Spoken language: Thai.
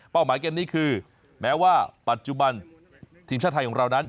หมายเกมนี้คือแม้ว่าปัจจุบันทีมชาติไทยของเรานั้น